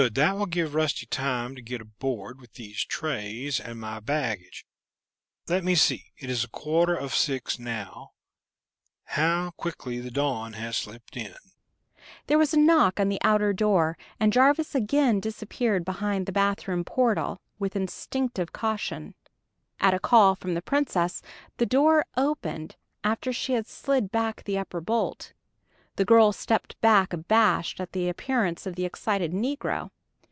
That will give Rusty time to get aboard with these trays and my baggage. Let me see, it is a quarter of six now how quickly the dawn has slipped in!" There was a knock on the outer door, and Jarvis again disappeared behind the bathroom portal, with instinctive caution. At a call from the Princess, the door opened after she had slid back the upper bolt. The girl stepped back abashed at the appearance of the excited negro.